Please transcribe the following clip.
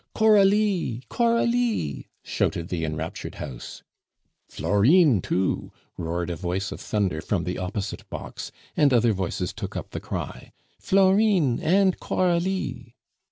"Coralie_! Coralie_!" shouted the enraptured house. "Florine, too!" roared a voice of thunder from the opposite box, and other voices took up the cry, "Florine and Coralie!"